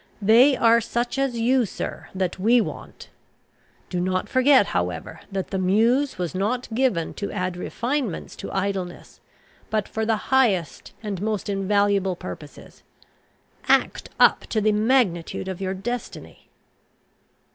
They are such as you sir, that we want. Do not forget, however, that the Muse was not given to add refinements to idleness, but for the highest and most invaluable purposes. Act up to the magnitude of your destiny."